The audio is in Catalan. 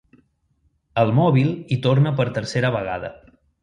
El mòbil hi torna per tercera vegada.